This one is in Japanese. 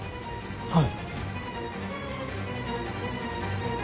はい。